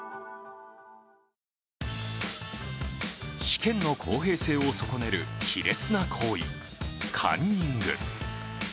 試験の公平性を損ねる卑劣な行為、カンニング。